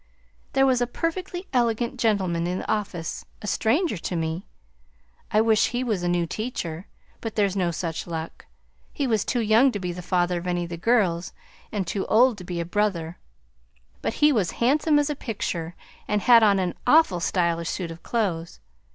There was a perfectly elegant gentleman in the office, a stranger to me. I wish he was a new teacher, but there's no such luck. He was too young to be the father of any of the girls, and too old to be a brother, but he was handsome as a picture and had on an awful stylish suit of clothes.